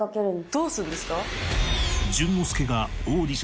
どうするんですか？